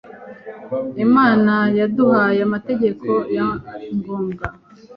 Imana yaduhaye amategeko ya ngombwa